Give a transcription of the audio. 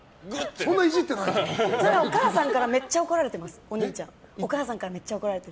それはお母さんからめっちゃ怒られてますお兄ちゃん。